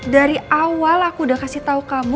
dari awal aku udah kasih tahu kamu